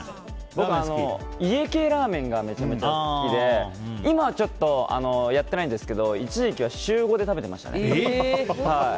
僕、家系ラーメンがめちゃめちゃ好きで今、ちょっとやってないんですが一時期は週５で食べてましたね。